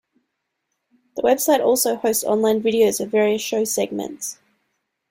The website also hosts online videos of various show segments.